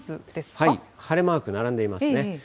晴れマーク並んでいますね。